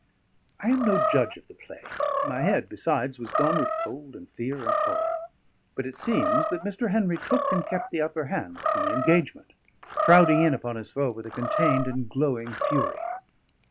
I am no judge of the play; my head, besides, was gone with cold and fear and horror; but it seems that Mr. Henry took and kept the upper hand from the engagement, crowding in upon his foe with a contained and glowing fury.